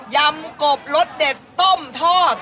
ำกบรสเด็ดต้มทอด